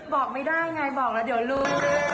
บอกไม่ได้ไงบอกแล้วเดี๋ยวลุง